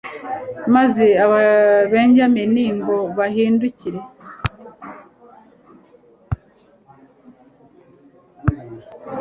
maze ababenyamini ngo bahindukire